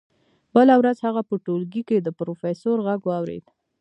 بله ورځ هغه په ټولګي کې د پروفیسور غږ واورېد